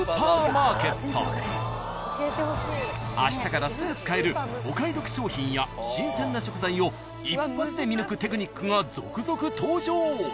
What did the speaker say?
［あしたからすぐ使えるお買い得商品や新鮮な食材を一発で見抜くテクニックが続々登場］